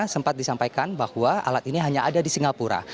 sempat disampaikan bahwa alat ini hanya ada di singapura